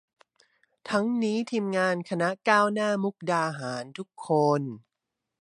ทั้งนี้ทีมงานคณะก้าวหน้ามุกดาหารทุกคน